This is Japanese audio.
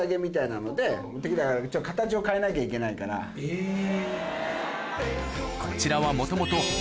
えぇ！